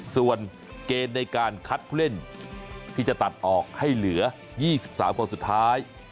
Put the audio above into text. ส่วนเกณฑ์ในการคัดผู้เล่นที่จะตัดออกให้เหลือ๒๓คนสุดท้าย